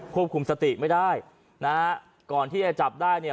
ควบคุมสติไม่ได้นะฮะก่อนที่จะจับได้เนี่ย